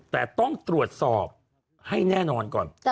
แต่ต้องตรวจสอบให้แน่นอนก่อน